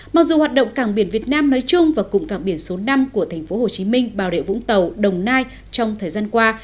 mặc dù hoạt động cảng biển việt nam nói chung và cụm cảng biển số năm của tp hcm bào rịa vũng tàu đồng nai trong thời gian qua